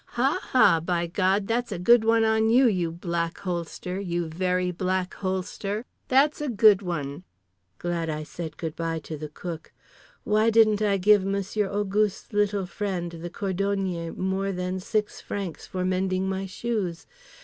Ha, ha, by God, that's a good one on you, you Black Holster, you Very Black Holster. That's a good one. Glad I said good bye to the cook. Why didn't I give Monsieur Auguste's little friend, the cordonnier, more than six francs for mending my shoes?